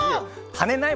はねない。